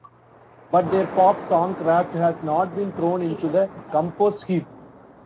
But their pop songcraft has not been thrown into the compost heap.